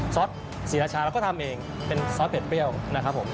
ซอสศรีราชาเราก็ทำเองเป็นซอสเด็ดเปรี้ยวนะครับผม